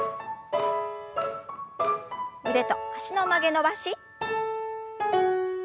腕と脚の曲げ伸ばし。